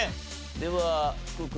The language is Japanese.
では福君。